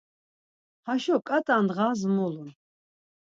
Haşo ǩat̆a ndğas mulun.